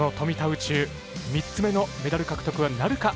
宇宙３つ目のメダル獲得はなるか。